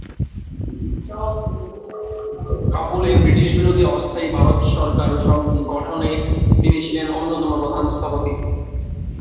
কাবুলে ব্রিটিশবিরোধী অস্থায়ী ভারত সরকার গঠনে তিনি ছিলেন অন্যতম প্রধান স্থপতি।